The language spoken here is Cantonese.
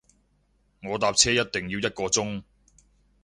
我搭車一定要一個鐘